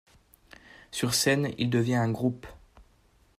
Sur scène, il devient un groupe.